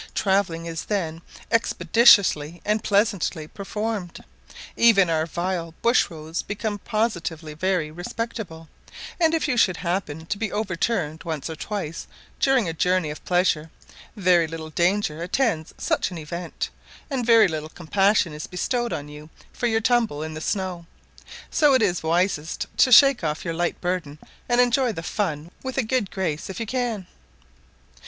Travelling is then expeditiously and pleasantly performed; even our vile bush roads become positively very respectable; and if you should happen to be overturned once or twice during a journey of pleasure, very little danger attends such an event, and very little compassion is bestowed on you for your tumble in the snow; so it is wisest to shake off your light burden and enjoy the fun with a good grace if you can.